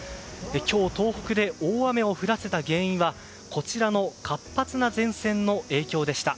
今日東北で大雨を降らせた原因はこちらの活発な前線の影響でした。